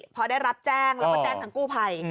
พอได้รับแจ้งแล้วก็แจ้งทางกู้ภัย